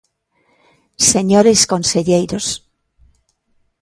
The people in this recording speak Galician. Señores conselleiros.